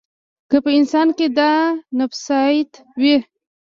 که په انسان کې دا نفسیات وي.